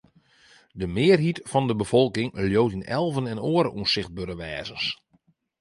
De mearheid fan de befolking leaut yn elven en oare ûnsichtbere wêzens.